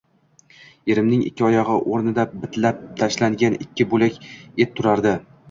Erimning ikki oyogʻi oʻrnida bintlab tashlangan ikki boʻlak et turardi